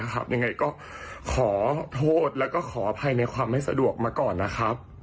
ยังไงก็ขอโทษแล้วก็ขออภัยในความไม่สะดวกมาก่อนนะครับ